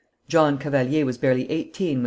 John Cavalier was barely eighteen when M.